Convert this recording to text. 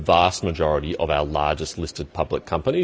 dan sebagian besar dari pemerintah publik yang terbesar